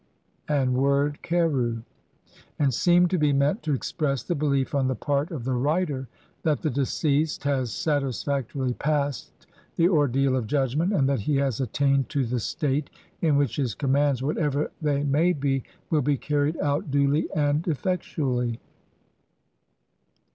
and "word" (khcru), and seem to be meant to express the belief on the part of the writer that the deceased has satisfactorily passed the ordeal of judgment, and that he has attained to the state in which his commands, whatever they may be, will be carried out duly and effectually.